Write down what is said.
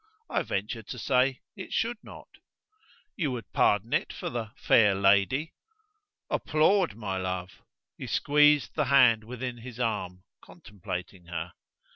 I venture to say it should not." "You would pardon it for the 'fair lady'?" "Applaud, my love." He squeezed the hand within his arm, contemplating her.